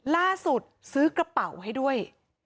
ล่าสุดซื้อกระเป๋าให้ด้วย